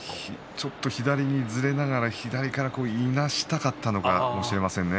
ちょっと左にずれながらいなしたかったのかもしれませんね。